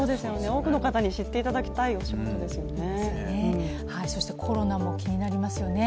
多くの方に知っていただきたいお仕事ですよね。